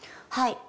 はい。